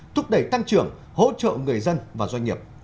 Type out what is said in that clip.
thúc đẩy tăng trưởng hỗ trợ người dân và doanh nghiệp